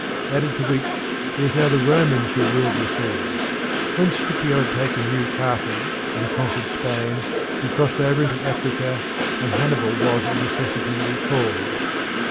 Added to which, it was now the Romans who ruled the sea. When Scipio had taken New Carthage and conquered Spain, he crossed over into Africa, and Hannibal was of necessity recalled.